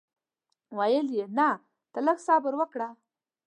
ویل یې نه ته لږ صبر وکړه.